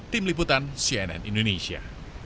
tim liputan cnn indonesia